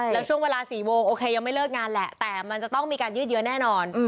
แล้วช่วงเวลา๔โมงโอเคยังไม่เลิกงานแหละแต่มันจะต้องมีการยืดเยอะแน่นอน